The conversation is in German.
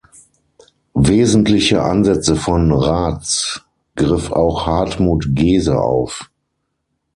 Wesentliche Ansätze von Rads griff auch Hartmut Gese auf.